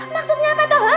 maksudnya apa tuh